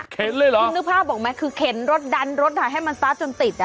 เข็นเลยเหรอคุณธุรกิจภาพบอกไหมคือเข็นรถดันรถถ่ายให้มันสตาร์ทจนติดอะ